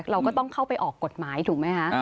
เราก็ต้องเข้าไปออกกฎหมายถูกไหมคะ